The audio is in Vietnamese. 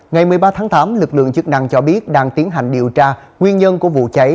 ngày một mươi ba tháng tám lực lượng chức năng cho biết đang tiến hành điều tra nguyên nhân của vụ cháy